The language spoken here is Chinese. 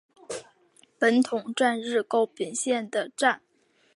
本桐站日高本线上的站。